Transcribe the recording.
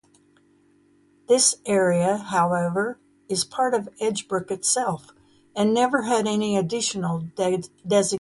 This area however, is part of Edgebrook itself, and never had any additional designation.